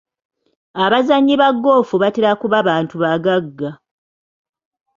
Abazannyi ba ggoofu batera kuba bantu bagagga.